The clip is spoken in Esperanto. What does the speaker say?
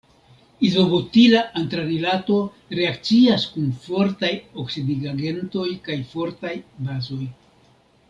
Izobutila antranilato reakcias kun fortaj oksidigagentoj kaj fortaj bazoj.